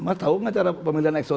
mas kamu tahu tidak cara pemilihan exo